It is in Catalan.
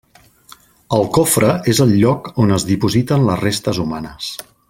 El cofre és el lloc on es dipositen les restes humanes.